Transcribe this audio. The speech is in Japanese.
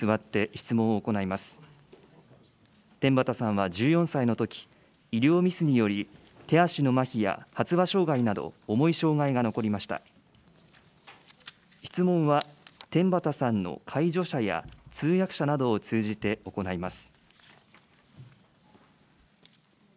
質問は天畠さんの介助者や通訳者などを通じて行います。